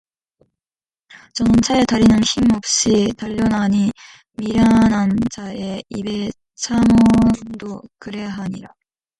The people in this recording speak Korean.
저는 자의 다리는 힘 없이 달렸나니 미련한 자의 입의 잠언도 그러하니라